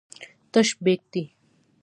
تش بیک دی.